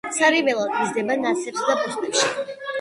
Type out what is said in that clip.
სარეველად იზრდება ნათესებსა და ბოსტნებში.